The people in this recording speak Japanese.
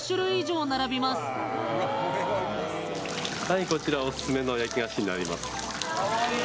はいこちらオススメの焼き菓子になります